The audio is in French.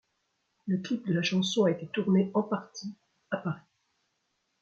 Le clip de la chanson a été tourné en partie à Paris.